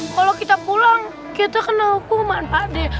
kalau kita pulang kita kena hukuman pak d